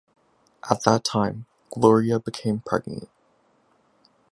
At that time Gloria became pregnant.